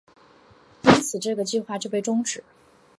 因此这个计划就被终止。